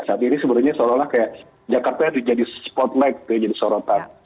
saat ini sebenarnya seolah olah kayak jakarta jadi spotlight jadi sorotan